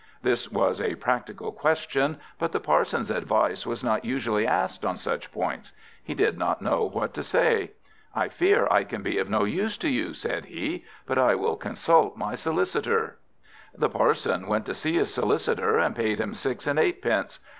This was a practical question, but the Parson's advice was not usually asked on such points. He did not know what to say. "I fear I can be of no use to you," said he, "but I will consult my Solicitor." The Parson went to see his Solicitor, and paid him six and eightpence.